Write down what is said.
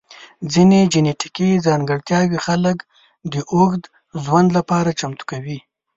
ځینې جنیټیکي ځانګړتیاوې خلک د اوږد ژوند لپاره چمتو کوي.